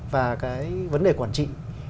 và cái vấn đề quản trị